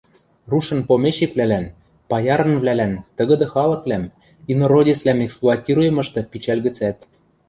Рушын помещиквлӓлӓн, паярынвлӓлӓн тыгыды халыквлӓм – инородецвлӓм эксплуатируйымышты пичӓл гӹцӓт